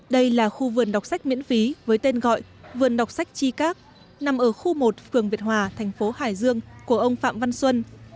đây là khu vườn đọc sách miễn phí với tên gọi vườn đọc sách chi các nằm ở khu một phường việt hòa thành phố hải dương của ông phạm văn xuân